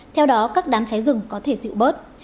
theo đó các đám cháy rừng có thể chịu bớt